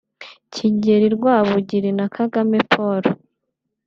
Kigeli Rwabugili na Kagame Paul